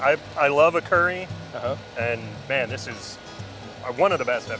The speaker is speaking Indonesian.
dan ini adalah salah satu dari yang paling enak yang saya makan